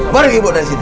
pergi ibu dari sini